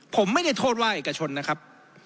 ผมไม่ได้โทษว่าเอกชนนะครับ